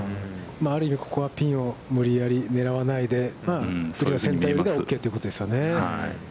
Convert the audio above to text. ある意味ここはピンを無理やり狙わないで、オッケーということですね。